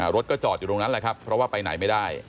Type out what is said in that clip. รถก็จอดอยู่ตรงนั้นแหละครับเพราะว่าไปไหนไม่ได้